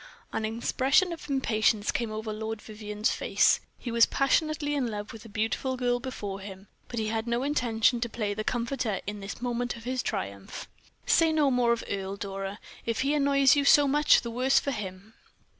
An expression of impatience came over Lord Vivianne's face; he was passionately in love with the beautiful girl before him, but he had no intention to play the comforter in this the moment of his triumph. "Say no more of Earle, Dora; if he annoys you, so much the worse for him.